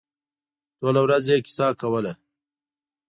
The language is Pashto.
ټوله ورځ یې کیسه کوله.